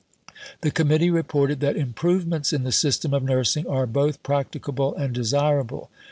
The Committee reported that "improvements in the system of nursing are both practicable and desirable."